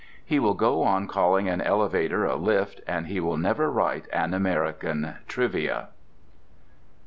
He will go on calling an elevator a lift, and he will never write an American "Trivia."